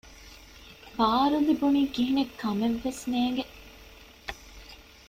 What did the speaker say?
ބާރު ލިބުނީ ކިހިނެތް ކަމެއް ވެސް ނޭނގެ